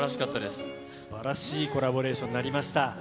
すばらしいコラボレーションになりました。